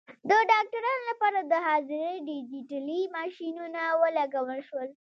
د ډاکټرانو لپاره د حاضرۍ ډیجیټلي ماشینونه ولګول شول.